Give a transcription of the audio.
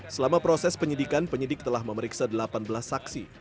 selama proses penyidikan penyidik telah memeriksa delapan belas saksi